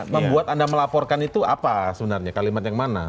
membuat anda melaporkan itu apa sebenarnya kalimat yang mana